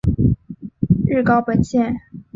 日高本线。